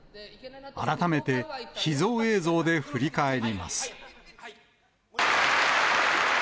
改めて秘蔵映像で振り返ります。